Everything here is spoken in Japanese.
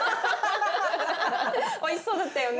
おいしそうだったよね。